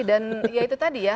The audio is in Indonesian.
dan itu tadi ya